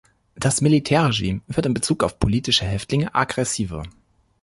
Das Militärregime wird in Bezug auf politische Häftlinge aggressiver.